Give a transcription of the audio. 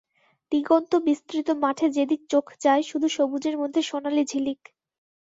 দিগন্ত বিস্তৃত মাঠে যেদিকে চোখ যায়, শুধু সবুজের মধ্যে সোনালি ঝিলিক।